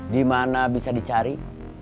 dimana bisa dicari